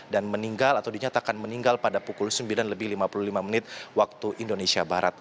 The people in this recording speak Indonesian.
dan meninggal atau dinyatakan meninggal pada pukul sembilan lebih lima puluh lima menit waktu indonesia barat